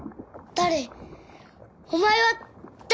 誰？